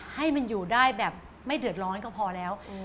ให้มันอยู่ได้แบบไม่เดือดร้อนก็พอแล้ว